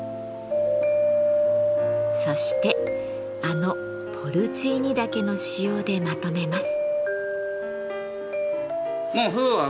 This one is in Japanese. そしてあのポルチーニ茸の塩でまとめます。